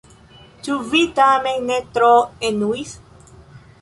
Ĉu vi tamen ne tro enuis?